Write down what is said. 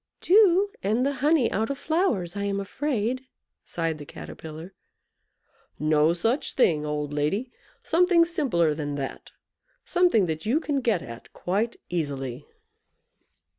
"Dew, and the honey out of flowers, I am afraid," sighed the Caterpillar. "No such thing, old lady! Something simpler than that. Something that you can get at quite easily."